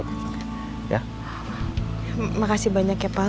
terima kasih banyak ya pak